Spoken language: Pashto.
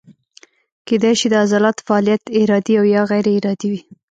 کیدای شي د عضلاتو فعالیت ارادي او یا غیر ارادي وي.